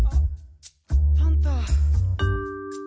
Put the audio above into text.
パンタ。